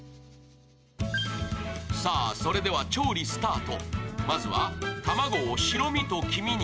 さあ、それでは調理スタート。